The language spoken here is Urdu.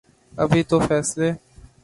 ابھی تو فیصلے